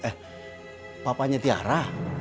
eh papanya tiara